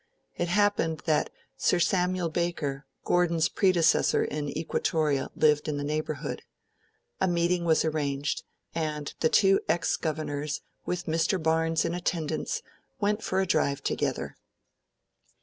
It happened that Sir Samuel Baker, Gordon's predecessor in Equatoria, lived in the neighbourhood. A meeting was arranged, and the two ex Governors, with Mr. Barnes in attendance, went for a drive together.